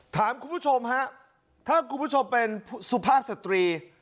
ถามคุณผู้ชมฮะถ้าคุณผู้ชมเป็นสุภาพสตรี